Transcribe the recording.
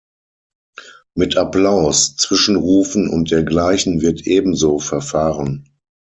Mit Applaus, Zwischenrufen und dergleichen wird ebenso verfahren.